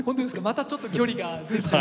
またちょっと距離が出来ちゃう。